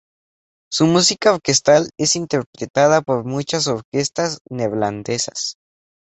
Su música orquestal es interpretada por muchas orquestas neerlandesas.